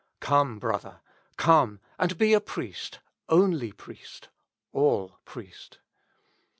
Come, brother, come, and be a priest, ojily priest, all priest.